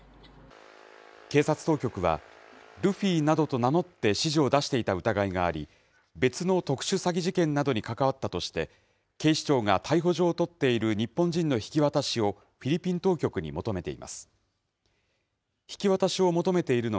警察当局は、ルフィなどと名乗って指示を出していた疑いがあり、別の特殊詐欺事件などに関わったとして、警視庁が逮捕状を取っている日本人の引き渡しを、フィリピン当局に求めています。